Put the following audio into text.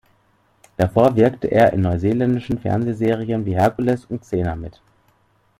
Davor wirkte er in neuseeländischen Fernsehserien wie "Hercules" und "Xena" mit.